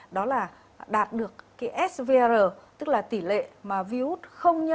đó là đạt được svr tức là tỷ lệ mà viếu út không nhận được